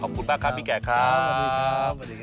ขอบคุณมากครับพี่แกะครับ